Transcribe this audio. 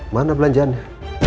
mana belanjaan nya